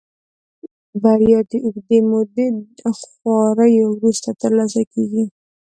بريا د اوږدې مودې خواريو وروسته ترلاسه کېږي.